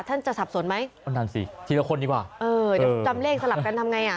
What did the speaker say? ท่านจะสับสนไหมนั่นสิทีละคนดีกว่าจำเลขสลับกันทำไง